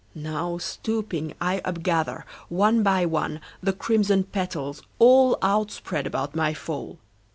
Now, stooping, I upgather, one by one, The crimson petals, all Outspread about my fall.